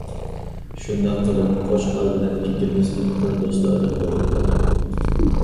شۇنداق قىلىپ قوچقار بىلەن ئىككىمىز يېقىن دوستلاردىن بولۇپ قالدۇق.